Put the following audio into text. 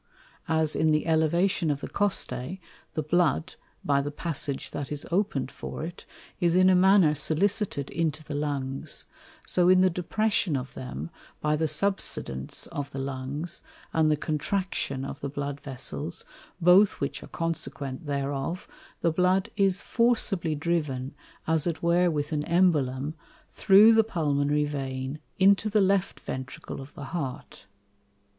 As in the Elevation of the Costæ, the Blood, by the passage that is open'd for it, is in a manner solicited into the Lungs; so in the Depression of them, by the subsidence of the Lungs, and the Contraction of the Blood Vessels, both which are consequent thereof, the Blood is forcibly driven, as it were with an Embolum, through the Pulmonary Vein into the Left Ventricle of the Heart.